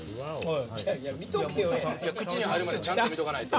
口に入るまでちゃんと見とかないと。